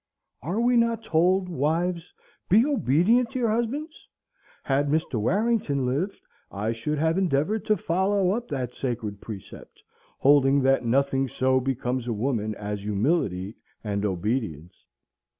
Are we not told, Wives, be obedient to your husbands? Had Mr. Warrington lived, I should have endeavoured to follow up that sacred precept, holding that nothing so becomes a woman as humility and obedience."